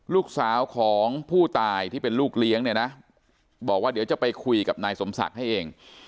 ลูกสาวของผู้ตายที่เป็นลูกเลี้ยงเนี่ยนะบอกว่าเดี๋ยวจะไปคุยกับนายสมศักดิ์ให้เอง